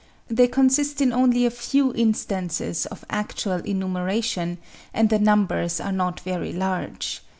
They consist in only a few instances of actual enumeration, and the numbers are not very large.